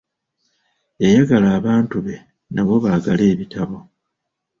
Yayagala abantu be nabo baagale ebitabo.